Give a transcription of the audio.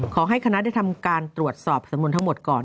ขอให้คณะได้ทำการตรวจสอบสำนวนทั้งหมดก่อน